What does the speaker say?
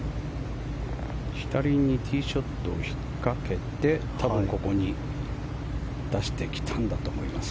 左にティーショットをひっかけて多分ここに出してきたんだと思います。